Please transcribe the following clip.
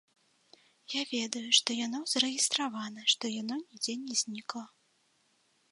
Я ведаю, што яно зарэгістравана, што яно нідзе не знікла.